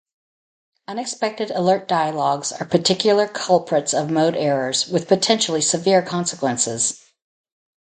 Unexpected alert dialogs are particular culprits of mode errors with potentially severe consequences.